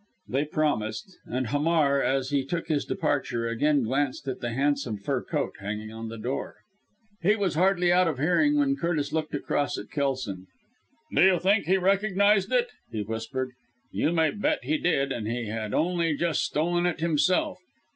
They promised; and Hamar, as he took his departure, again glanced at the handsome fur coat hanging on the door. He was hardly out of hearing when Curtis looked across at Kelson. "Do you think he recognised it!" he whispered. "You may bet he did, and he had only just stolen it himself!